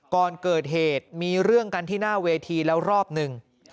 ก่อนเกิดเหตุมีเรื่องกันที่หน้าเวทีแล้วรอบหนึ่ง